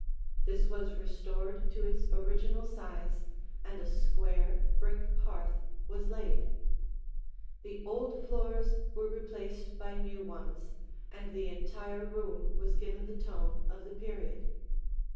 This was restored to its original size, and a square, brick hearth was laid. The old floors were replaced by new ones, and the entire room was given the tone of the period.